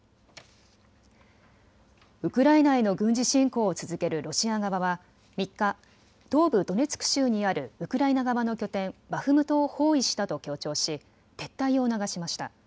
ウクライナへの軍事侵攻を続けるロシア側は３日、東部ドネツク州にあるウクライナ側の拠点、バフムトを包囲したと強調し撤退を促しました。